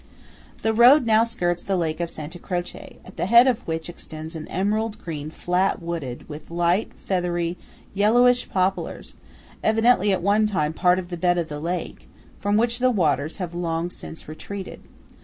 The road now skirts the lake of Santa Croce, at the head of which extends an emerald green flat wooded with light, feathery, yellowish poplars–evidently at one time part of the bed of the lake, from which the waters have long since retreated.